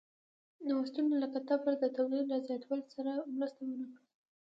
نوښتونه لکه تبر د تولید له زیاتوالي سره مرسته ونه کړه.